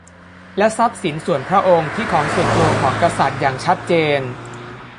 และทรัพย์สินส่วนพระองค์ ที่ของส่วนตัวของกษัตริย์ อย่างชัดเจน